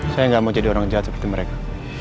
saya nggak mau jadi orang jahat seperti mereka